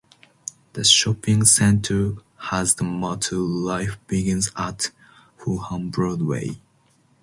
The shopping centre has the motto "Life Begins At Fulham Broadway".